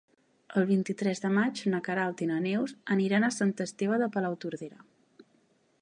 El vint-i-tres de maig na Queralt i na Neus aniran a Sant Esteve de Palautordera.